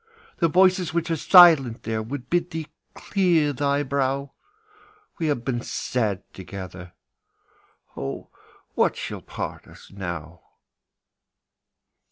The voices which are silent there Would bid thee clear thy brow; We have been sad together. Oh, what shall part us now?